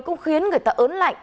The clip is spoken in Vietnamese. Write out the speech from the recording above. cũng khiến người ta ớn lạnh